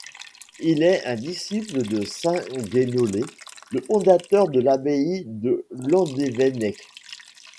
Il est un disciple de saint Guénolé, le fondateur de l'abbaye de Landévennec.